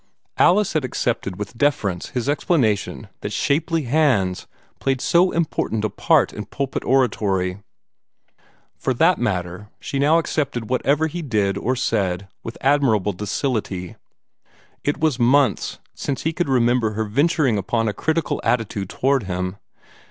Alice had accepted with deference his explanation that shapely hands played so important a part in pulpit oratory. For that matter, she now accepted whatever he said or did with admirable docility. It was months since he could remember her venturing upon a critical attitude toward him.